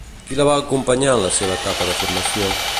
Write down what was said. Qui la va acompanyar en la seva etapa de formació?